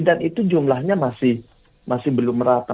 dan itu jumlahnya masih belum merata